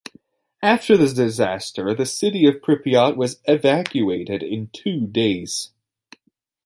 After the disaster the city of Pripyat was evacuated in two days.